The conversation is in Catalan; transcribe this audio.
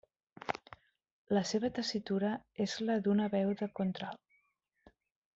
La seva tessitura és la d'una veu de contralt.